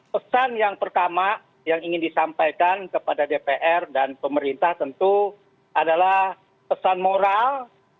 pesan yang pertama yang ingin disampaikan kepada dpr dan pemerintah tentu adalah pesan moral